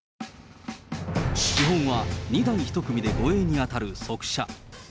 基本は２台１組で護衛に当たる側車。